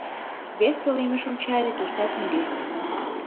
Вес пӧлемыш ончале — туштат нигӧ.